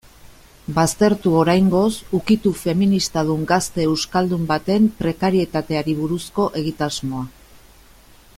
Baztertu, oraingoz, ukitu feministadun gazte euskaldun baten prekarietateari buruzko egitasmoa.